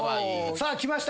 さあ来ました！